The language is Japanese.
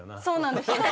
そうなんです。